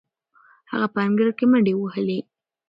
هغه په انګړ کې منډې وهلې.